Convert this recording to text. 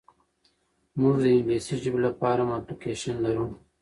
موږ د انګلیسي ژبي لپاره هم اپلیکیشن لرو.